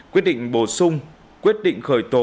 quyết định bổ sung quyết định khởi tố